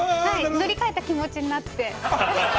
乗りかえた気持ちになって。